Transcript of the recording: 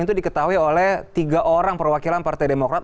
itu diketahui oleh tiga orang perwakilan partai demokrat